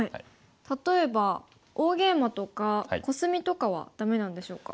例えば大ゲイマとかコスミとかはダメなんでしょうか。